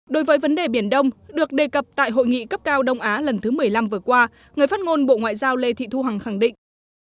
đối với vấn đề biển đông được đề cập tại hội nghị cấp cao đông á lần thứ một mươi năm vừa qua người phát ngôn bộ ngoại giao lê thị thu hằng khẳng định